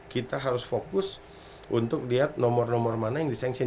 kita harus fokus untuk lihat nomor nomor mana yang dissention